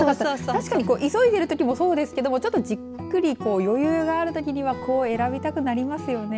確かに急いでいるときもそうですけどちょっとじっくり余裕があるときには選びたくなりますよね。